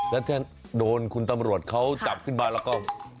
แล้วถ้าโดนคุณตำรวจเขาจับขึ้นมาแล้วก็